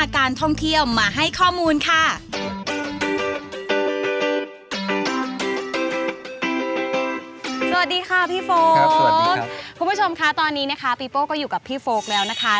คุณผู้ชมคะตอนนี้นะคะปีโป้ก็อยู่กับพี่โฟลกแล้วนะคะ